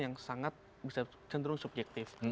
yang sangat bisa cenderung subjektif